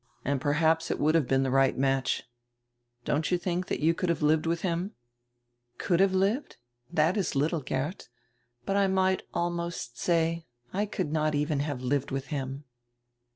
And perhaps it would have been the right match. Don't you think you could have lived with him?" "Could have lived? That is little, Geert. But I might almost say, I could not even have lived with him."